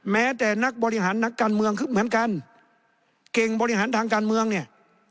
แม้แต่นักบริหารนักการเมืองเหมือนกันเก่งบริหารทางการเมืองเนี่ย